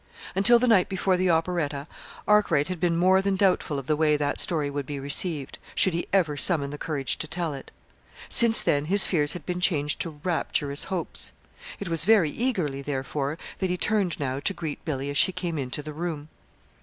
Until the night before the operetta Arkwright had been more than doubtful of the way that story would be received, should he ever summon the courage to tell it. Since then his fears had been changed to rapturous hopes. It was very eagerly, therefore, that he turned now to greet Billy as she came into the room.